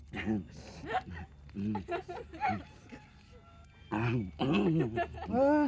jamanes itu anak